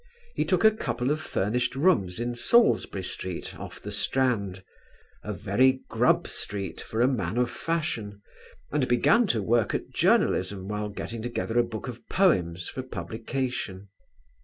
He took a couple of furnished rooms in Salisbury Street off the Strand, a very Grub Street for a man of fashion, and began to work at journalism while getting together a book of poems for publication.